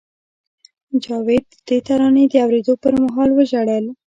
جاوید د دې ترانې د اورېدو پر مهال وژړل